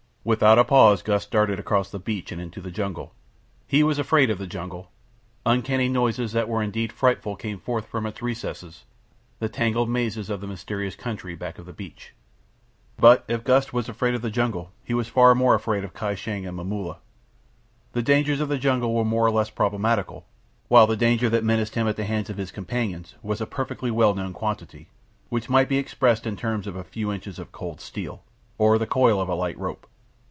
Without a pause Gust darted across the beach and into the jungle. He was afraid of the jungle; uncanny noises that were indeed frightful came forth from its recesses—the tangled mazes of the mysterious country back of the beach. But if Gust was afraid of the jungle he was far more afraid of Kai Shang and Momulla. The dangers of the jungle were more or less problematical, while the danger that menaced him at the hands of his companions was a perfectly well known quantity, which might be expressed in terms of a few inches of cold steel, or the coil of a light rope.